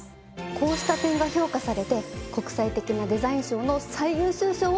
こうした点が評価されて国際的なデザイン賞の最優秀賞を受賞したんですね。